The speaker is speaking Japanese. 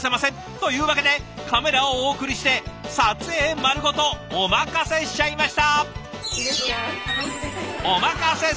というわけでカメラをお送りして撮影丸ごとお任せしちゃいました。